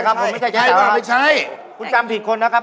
ใช่ว่าไม่ใช่คุณจำผิดคนนะครับ